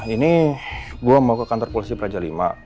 ini gue mau ke kantor polisi praja v